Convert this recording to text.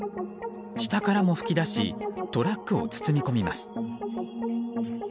下からも噴き出しトラックを包み込みます。